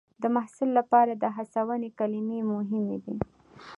د محصل لپاره د هڅونې کلمې مهمې دي.